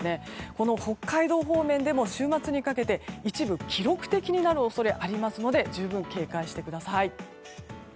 この北海道方面でも週末にかけて一部、記録的になる恐れがありますので十分警戒してください。